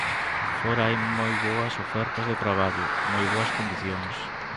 Fóra hai moi boas ofertas de traballo, moi boas condicións.